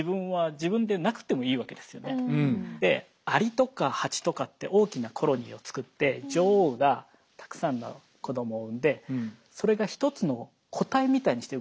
そもそもでアリとかハチとかって大きなコロニーを作って女王がたくさんの子供を産んでそれが一つの個体みたいにして動くんですよ。